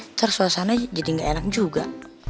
ntar suasana jadi gak enak juga